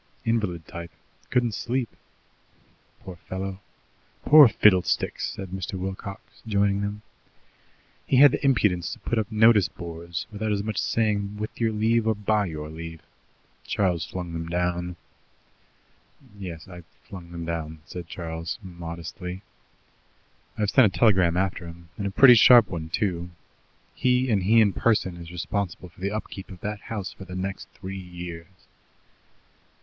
"Invalid type; couldn't sleep." "Poor fellow!" "Poor fiddlesticks!" said Mr. Wilcox, joining them. "He had the impudence to put up notice boards without as much as saying with your leave or by your leave. Charles flung them down." "Yes, I flung them down," said Charles modestly. "I've sent a telegram after him, and a pretty sharp one, too. He, and he in person is responsible for the upkeep of that house for the next three years."